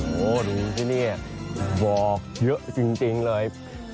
โอ้โหดูสิเนี่ยบอกเยอะจริงจริงเลย